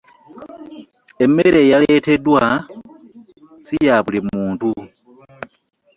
Emmere eyaleeteddwa siyabuli muntu